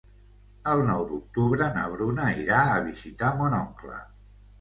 El nou d'octubre na Bruna irà a visitar mon oncle.